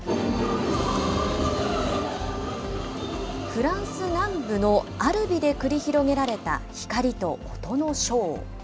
フランス南部のアルビで繰り広げられた光と音のショー。